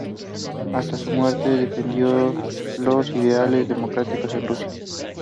Her work varies between purely commercial literature and artistic projects.